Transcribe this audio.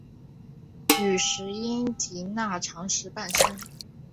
与石英及钠长石伴生。